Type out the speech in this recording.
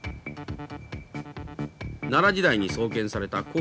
奈良時代に創建された興福寺。